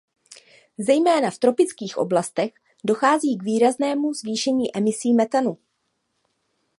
Zejména v tropických oblastech dochází k výraznému zvýšení emisí metanu.